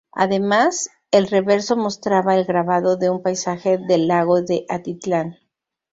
Además, el reverso mostraba el grabado de un paisaje del lago de Atitlán.